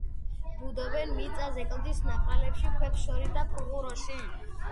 ბუდობენ მიწაზე, კლდის ნაპრალებში, ქვებს შორის და ფუღუროში.